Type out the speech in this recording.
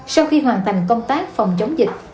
sau khi hoàn thành công tác phòng chống dịch